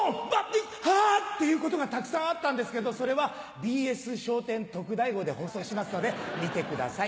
ハ！っていうことがたくさんあったんですけどそれはＢＳ『笑点特大号』で放送しますので見てください！